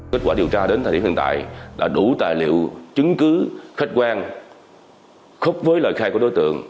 kết quả điều tra đến thời điểm hiện tại là đủ tài liệu chứng cứ khách quan khúc với lời khai của đối tượng